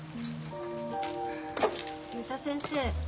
竜太先生